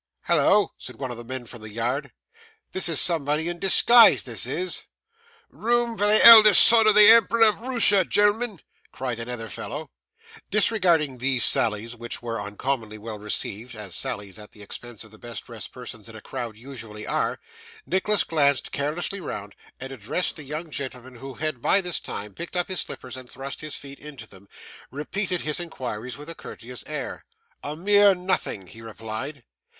'Hallo!' said one of the men from the yard, 'this is somebody in disguise, this is.' 'Room for the eldest son of the Emperor of Roosher, gen'l'men!' cried another fellow. Disregarding these sallies, which were uncommonly well received, as sallies at the expense of the best dressed persons in a crowd usually are, Nicholas glanced carelessly round, and addressing the young gentleman, who had by this time picked up his slippers and thrust his feet into them, repeated his inquiries with a courteous air. 'A mere nothing!' he replied.